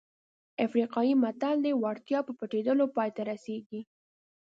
افریقایي متل وایي وړتیا په پټېدلو پای ته رسېږي.